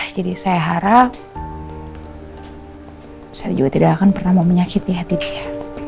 jadi saya harap saya juga tidak akan pernah menyakiti hati dia